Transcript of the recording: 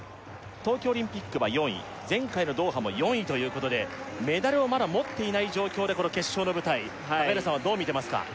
東京オリンピックは４位前回のドーハも４位ということでメダルをまだ持っていない状況でこの決勝の舞台平さんはどうみてますか？